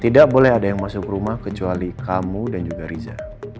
tidak boleh ada yang masuk rumah kecuali kamu dan juga riza